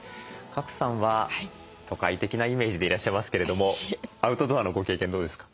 賀来さんは都会的なイメージでいらっしゃいますけれどもアウトドアのご経験どうですか？